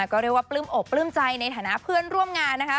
ก็เรียกว่าปลื้มอกปลื้มใจในฐานะเพื่อนร่วมงานนะคะ